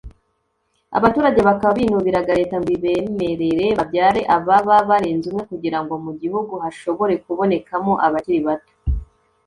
Abaturage bakaba binubiraga Leta ngo ibemerere babyare ababa barenze umwe kugira ngo mu gihugu hashobore kubonekamo abakiri bato